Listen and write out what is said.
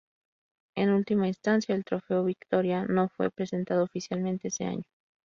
En última instancia, el trofeo Viktoria no fue presentado oficialmente ese año.